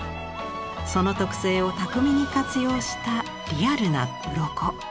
その特性を巧みに活用したリアルなうろこ。